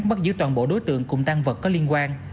bắt giữ toàn bộ đối tượng cùng tăng vật có liên quan